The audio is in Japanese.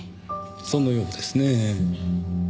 そのようですねぇ。